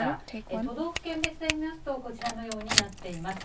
都道府県別で見ますと、こちらのようになっています。